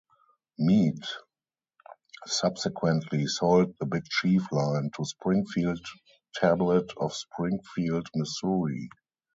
Mead subsequently sold the Big Chief line to Springfield Tablet of Springfield, Missouri.